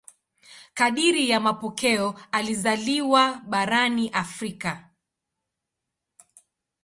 Kadiri ya mapokeo alizaliwa barani Afrika.